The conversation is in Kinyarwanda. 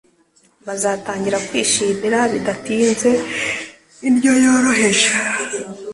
bazatangira kwishimira bidatinze indyo yoroheje